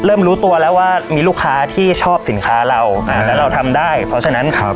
เริ่มรู้ตัวแล้วว่ามีลูกค้าที่ชอบสินค้าเราอ่าแล้วเราทำได้เพราะฉะนั้นครับ